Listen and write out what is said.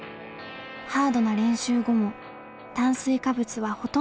ハードな練習後も炭水化物はほとんど食べない。